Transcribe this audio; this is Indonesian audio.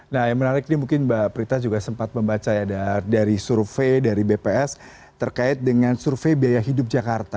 nah yang menarik ini mungkin mbak prita juga sempat membaca ya dari survei dari bps terkait dengan survei biaya hidup jakarta